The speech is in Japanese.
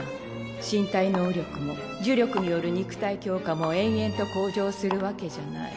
身体能力も呪力による肉体強化も延々と向上するわけじゃない。